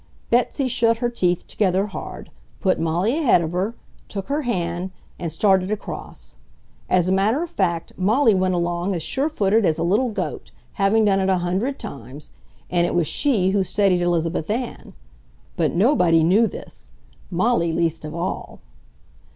—Betsy shut her teeth together hard, put Molly ahead of her, took her hand, and started across. As a matter of fact Molly went along as sure footed as a little goat, having done it a hundred times, and it was she who steadied Elizabeth Ann. But nobody knew this, Molly least of all.